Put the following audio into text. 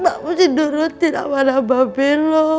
mbak mesti nurutin sama nama bapin lu